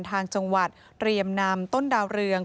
ทางจังหวัดเรียมนำต้นดาวเรือง